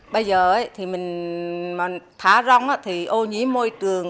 bây giờ thì mình thả rông thì ô nhiễm môi trường